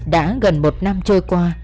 đã gần một năm trôi qua